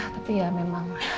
tapi ya memang